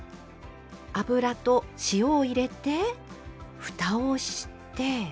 油と塩を入れてふたをして。